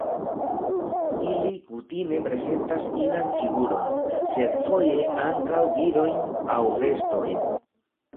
Ili kutime prezentas inan figuron, sed foje ankaŭ virojn aŭ bestojn.